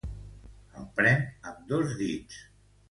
El pren amb dos dits.